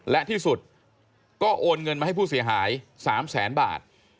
และที่สุดก็โอนเงินมาให้ผู้เสียหาย๓แสนบาท